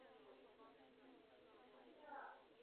智合仓活佛系统追认的第一世活佛为三罗喇嘛。